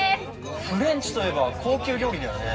フレンチといえば高級料理だよね。